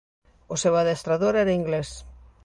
O seu adestrador era inglés.